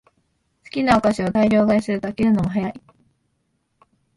好きなお菓子を大量買いすると飽きるのも早い